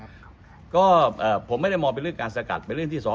มองว่าเป็นการสกัดท่านหรือเปล่าครับเพราะว่าท่านก็อยู่ในตำแหน่งรองพอบอด้วยในช่วงนี้นะครับ